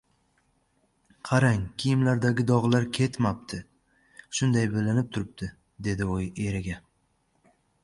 – Qarang, kiyimlardagi dogʻlar ketmapti, shunday bilinib turibdi, – dedi u eriga.